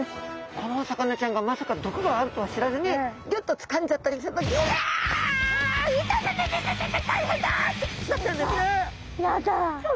このお魚ちゃんがまさか毒があるとは知らずにギュッとつかんじゃったりするとってなっちゃうんですね。